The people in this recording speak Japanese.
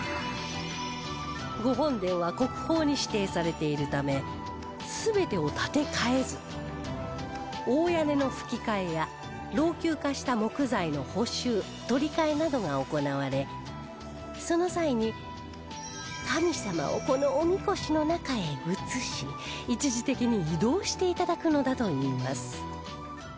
御本殿は国宝に指定されているため全てを建て替えず大屋根のふき替えや老朽化した木材の補修取り替えなどが行われその際に神様をこのおみこしの中へ移し一時的に移動して頂くのだといいます